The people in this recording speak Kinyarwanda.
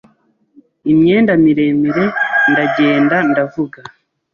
imyenda miremire, ndagenda ndavuga